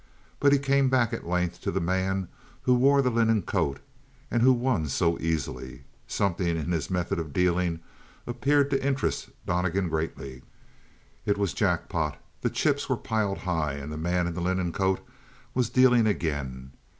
But he came back, at length, to the man who wore the linen coat and who won so easily. Something in his method of dealing appeared to interest Donnegan greatly. It was jackpot; the chips were piled high; and the man in the linen coat was dealing again.